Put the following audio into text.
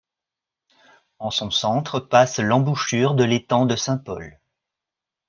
En son centre passe l'embouchure de l'étang de Saint-Paul.